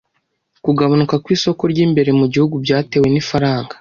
Kugabanuka kw'isoko ry'imbere mu gihugu byatewe n'ifaranga.